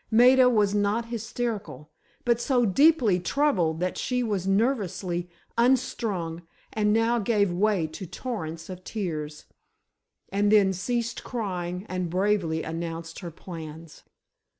Maida was not hysterical, but so deeply troubled that she was nervously unstrung and now gave way to torrents of tears, and then ceased crying and bravely announced her plans.